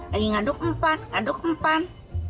lagi ngaduk empan ngaduk empan